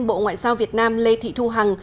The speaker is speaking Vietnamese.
bộ ngoại giao việt nam lê thị thu hằng